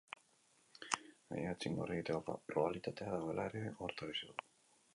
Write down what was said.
Gainera, txingorra egiteko probabilitatea dagoela ere ohartarazi du.